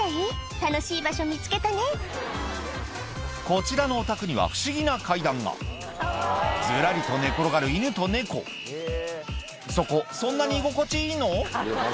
楽しい場所見つけたねこちらのお宅には不思議な階段がずらりと寝転がる犬と猫そこそんなに居心地いいの？